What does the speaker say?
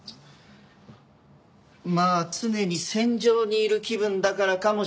まあ常に戦場にいる気分だからかもしれない。